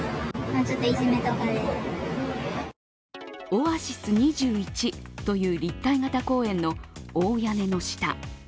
オアシス２１という立体型公園の大屋根の下。